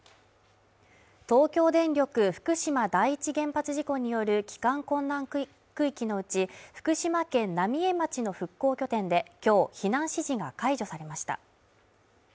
東京電力福島第一原発事故による帰還困難区域のうち福島県浪江町の復興拠点で、今日、避難指示が解除されました。